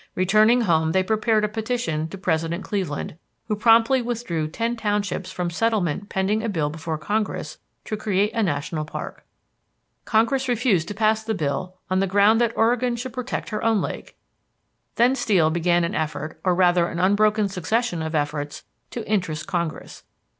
Returning home they prepared a petition to President Cleveland, who promptly withdrew ten townships from settlement pending a bill before Congress to create a national park. Congress refused to pass the bill on the ground that Oregon should protect her own lake. Then Steel began an effort, or rather an unbroken succession of efforts, to interest Congress.